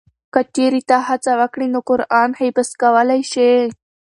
که چېرې ته هڅه وکړې نو قرآن حفظ کولی شې.